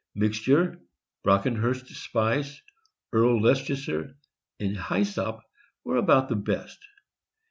Mixture, Brockenhurst Spice, Earl Leices ter, and Hysop were about the best.